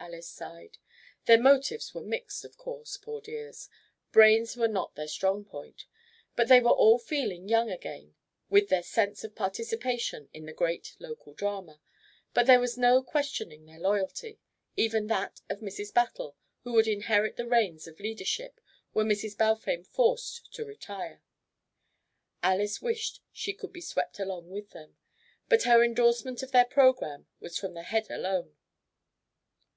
Alys sighed. Their motives were mixed, of course, poor dears; brains were not their strong point, and they were all feeling young again with their sense of participation in the great local drama, but there was no questioning their loyalty, even that of Mrs. Battle, who would inherit the reins of leadership were Mrs. Balfame forced to retire. Alys wished she could be swept along with them, but her indorsement of their programme was from the head alone.